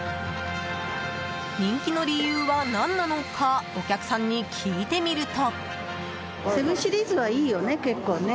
人気の理由は何なのかお客さんに聞いてみると。